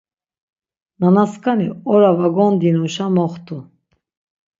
Nanaskani ora va gondinuşa moxtu.